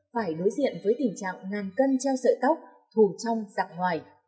phải đối diện với tình trạng ngàn cân treo sợi tóc thù trong giặc ngoài